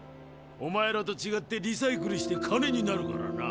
おまえらとちがってリサイクルして金になるからな。